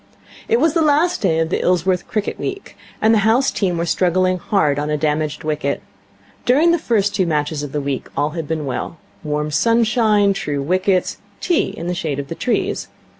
It was the last day of the Ilsworth cricket week, and the house team were struggling hard on a damaged wicket. During the first two matches of the week all had been well. Warm sunshine, true wickets, tea in the shade of the trees.